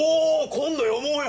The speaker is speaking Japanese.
今度読もうよ！